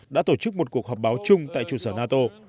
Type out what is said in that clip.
đã tổ chức một cuộc họp báo chung tại trụ sở nato